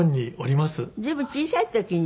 随分小さい時に。